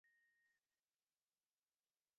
পিছু ছাড়াতে পারছি না।